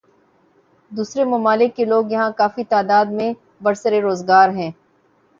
دوسرے ممالک کے لوگ یہاں کافی تعداد میں برسر روزگار ہیں